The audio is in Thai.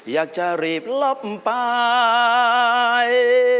อยากจะรีบลบไป